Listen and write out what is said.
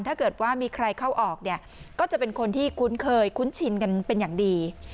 ถ้าเกิดว่ามีใครเข้าออกเนี่ยก็จะเป็นคนที่คุ้นเคยคุ้นชินกันเป็นอย่างดี